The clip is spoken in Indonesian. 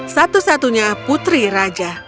satu satunya putri raja